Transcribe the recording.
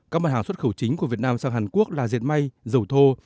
các mặt hàng xuất khẩu chính của việt nam sang hàn quốc là diệt may dầu thô